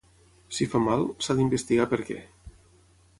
Si fa mal, s’ha d’investigar per què